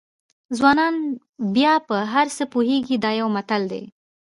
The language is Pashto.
ځوانان بیا په هر څه پوهېږي دا یو متل دی.